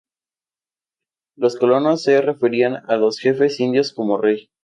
Los colonos se referían a los jefes indios como "rey".